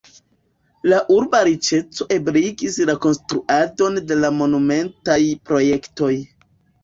La urba riĉeco ebligis la konstruadon de monumentaj projektoj.